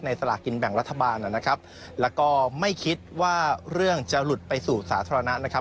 สลากินแบ่งรัฐบาลนะครับแล้วก็ไม่คิดว่าเรื่องจะหลุดไปสู่สาธารณะนะครับ